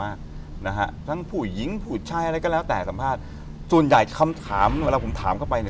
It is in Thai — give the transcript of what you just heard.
อะไรก็แล้วแต่สัมภาษณ์ส่วนใหญ่คำถามเวลาผมถามเข้าไปเนี่ย